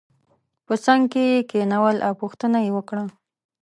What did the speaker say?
په څنګ کې یې کېنول او پوښتنه یې وکړه.